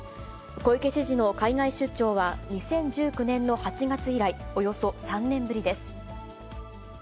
小池知事の海外出張は２０１９年の８月以来、およそ３年ぶりです。